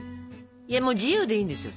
いやもう自由でいいんですよ。